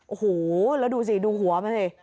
โอ้โหแล้วดูสิดูหัวมันสิ